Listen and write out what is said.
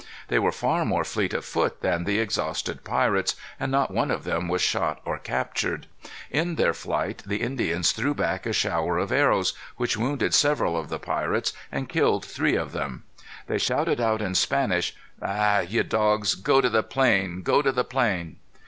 They were far more fleet of foot than the exhausted pirates, and not one of them was shot or captured. In their flight, the Indians threw back a shower of arrows, which wounded several of the pirates, and killed three of them. They shouted out in Spanish: "Ha! ye dogs, go to the plain, go to the plain."